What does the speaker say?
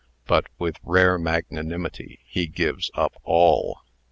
But, with rare magnanimity, he gives up all."